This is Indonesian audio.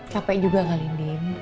capek juga kak lindin